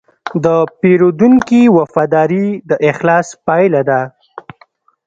د پیرودونکي وفاداري د اخلاص پایله ده.